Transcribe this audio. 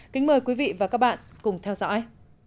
kính mời quý vị và các bạn cùng theo dõi